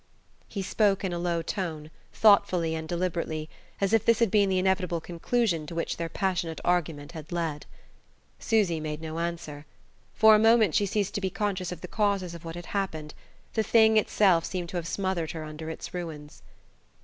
He spoke in a low tone, thoughtfully and deliberately, as if this had been the inevitable conclusion to which their passionate argument had led. Susy made no answer. For a moment she ceased to be conscious of the causes of what had happened; the thing itself seemed to have smothered her under its ruins.